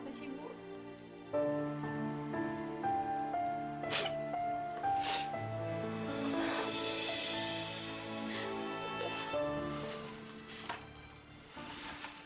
istri enggak murut durhaka masuk neraka